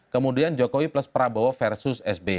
kemudian jokowi plus prabowo versus sby